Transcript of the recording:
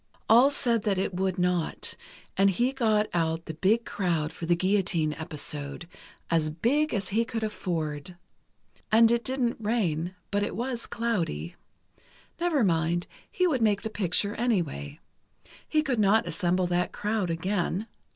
All said that it would not, and he got out the big crowd for the guillotine episode, as big as he could afford. And it didn't rain, but it was cloudy. Never mind, he would make the picture anyway. He could not assemble that crowd again.